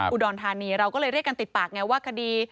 อุดรธานีเราก็เลยเรียกกันติดปากไงว่าคดี